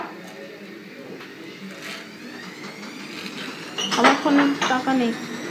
আওরঙ্গজেব ছয়জন মহান মুঘল সম্রাটের মধ্যে সর্বশেষ এবং সর্বশ্রেষ্ঠ সম্রাট ছিলেন।